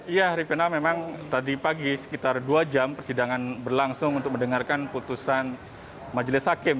ya ripena memang tadi pagi sekitar dua jam persidangan berlangsung untuk mendengarkan putusan majelis hakim